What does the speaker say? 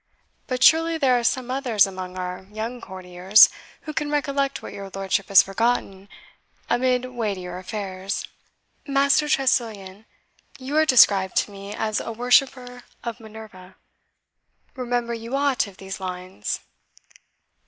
But surely there are some others among our young courtiers who can recollect what your lordship has forgotten amid weightier affairs. Master Tressilian, you are described to me as a worshipper of Minerva remember you aught of these lines?"